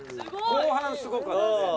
後半すごかったね。